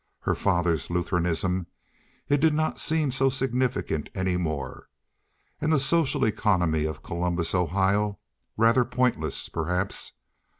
Her father's Lutheranism—it did not seem so significant any more; and the social economy of Columbus, Ohio—rather pointless, perhaps.